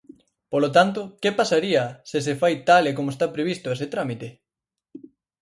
Polo tanto, ¿que pasaría se se fai tal e como está previsto ese trámite?